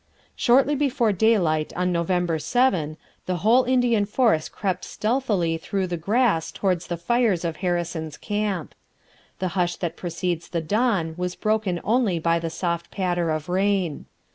Shortly before daylight on November 7 the whole Indian force crept stealthily through the grass towards the fires of Harrison's camp. The hush that precedes the dawn was broken only by the soft patter of rain.